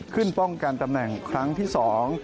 ป้องกันตำแหน่งครั้งที่สอง